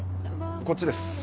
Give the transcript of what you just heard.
こっちです。